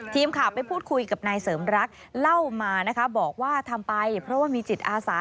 ทีมข่าวไปพูดคุยกับนายเสริมรักเล่ามานะคะบอกว่าทำไปเพราะว่ามีจิตอาสา